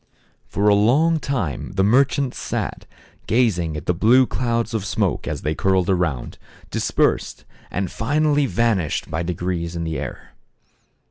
For a long time the merchants sat, gazing at the blue clouds of smoke as they curled around, dispersed, and finally vanished by degrees in the air.